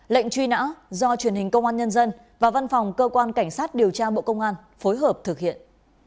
lệnh truy nã do truyền hình công an nhân dân và văn phòng cơ quan cảnh sát điều tra bộ công an phối hợp thực hiện